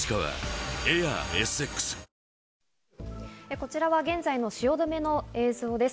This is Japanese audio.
こちらは現在の汐留の映像です。